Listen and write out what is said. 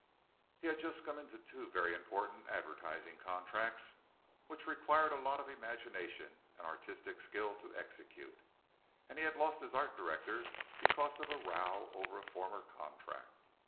He had just come into two very important advertising contracts which required a lot of imagination and artistic skill to execute, and he had lost his art director because of a row over a former contract.